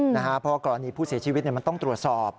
เพราะว่ากรณีผู้เสียชีวิตมันต้องตรวจสอบ